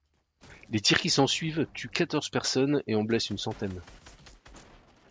Les tirs qui s'ensuivent tuent quatorze personnes et en blessent une centaine.